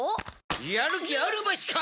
やる気あるバシか？